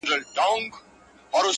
ژوند مي جهاني یوه شېبه پر باڼو ولیکه!